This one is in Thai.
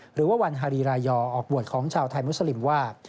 หรือว่าวันฮารีรายอร์ออกบวชของชาวไทยมุสลิมว่า